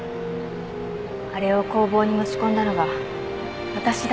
あれを工房に持ち込んだのが私だって事